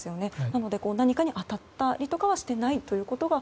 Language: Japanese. なので、何かに当たったりとかはしていないことが